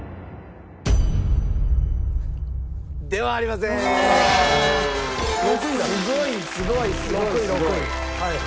すごいすごいすごいすごい。